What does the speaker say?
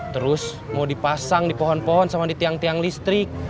terus mau dipasang di pohon pohon sama di tiang tiang listrik